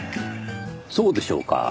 そうでしょうか？